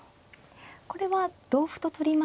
これは同歩と取りますと。